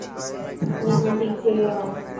هون همي ٺيڪ ٿي گيو هان